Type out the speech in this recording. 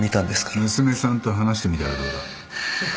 娘さんと話してみたらどうだ？